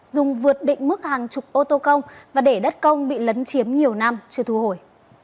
dùng vượt định mức hàng chục ô tô công và để đất công bị lấn chiếm nhiều năm chưa thu hồi